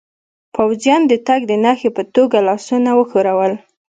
پوځیانو د تګ د نښې په توګه لاسونه و ښورول.